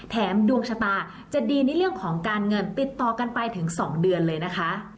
ดวงชะตาจะดีในเรื่องของการเงินติดต่อกันไปถึง๒เดือนเลยนะคะ